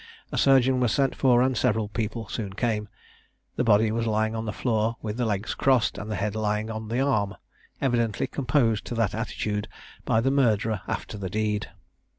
A surgeon was sent for, and several people soon came. The body was lying on the floor with the legs crossed, and the head lying on the arm, evidently composed to that attitude by the murderer after the deed.